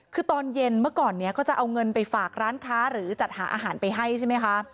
คือตอนเย็นเมื่อก่อนนี้ก็จะเอาเงินไปฝากร้านค้าหรือจัดหาอาหารไปให้ใช่ไหมคะ